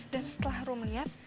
dan setelah rum lihat